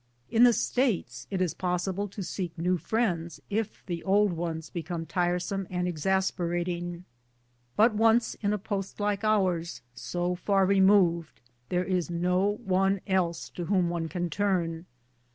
In the States it is possible to seek new friends if the old ones become tiresome and exasperating, but once in a post like ours, so far removed, there is no one else to whom one can turn.